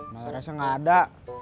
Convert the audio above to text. mbak larasnya gak ada